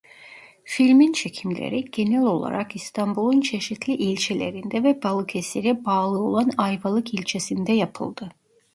Filmin çekimleri genel olarak İstanbul'un çeşitli ilçelerinde ve Balıkesir'e bağlı olan Ayvalık ilçesinde yapıldı.